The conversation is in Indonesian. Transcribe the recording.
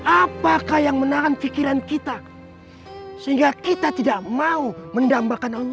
apakah yang menahan pikiran kita sehingga kita tidak mau mendambakan allah